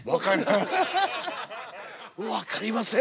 「分かりません」